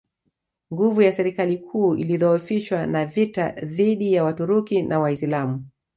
Nguvu ya serikali kuu ilidhoofishwa na vita dhidi ya Waturuki na Waislamu